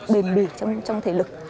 bền bề trong thể lực